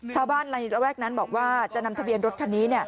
ชาวบ้านในระแวกนั้นบอกว่าจะนำทะเบียนรถคันนี้